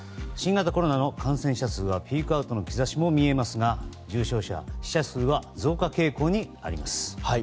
新型コロナの感染者数はピークアウトの兆しも見えますが重症者、死者数は増加傾向にあります。